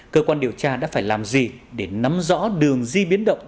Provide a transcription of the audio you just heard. cơ quan điều tra đã phải làm gì để nắm rõ đường di biến động